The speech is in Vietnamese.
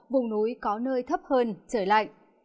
vùng núi có nơi thấp hơn trời lạnh